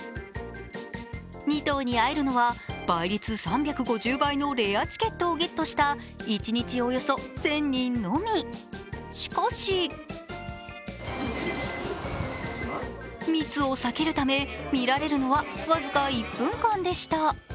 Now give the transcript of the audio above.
２頭に会えるのは倍率３５０倍のレアチケットをゲットした一日およそ１０００人のみ、しかし密を避けるため見られるのは僅か１分間でした。